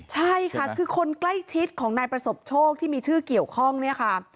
ใช่ค่ะคือคนใกล้ชิดของนายประสบโชคที่มีชื่อเกี่ยวข้องเนี่ยค่ะ